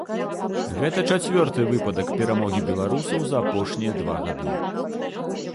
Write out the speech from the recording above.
Гэта чацвёрты выпадак перамогі беларусаў за апошнія два гады.